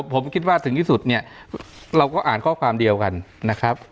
ผมคิดว่าถึงที่สุดเนี่ยเราก็อ่านข้อความเดียวกันนะครับ